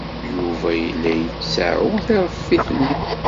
Yuba yella yettaɛu tiṛeffit-nni.